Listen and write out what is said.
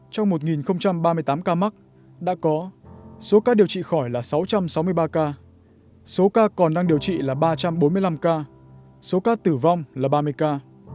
trong một ba mươi tám ca mắc đã có số ca điều trị khỏi là sáu trăm sáu mươi ba ca số ca còn đang điều trị là ba trăm bốn mươi năm ca số ca tử vong là ba mươi ca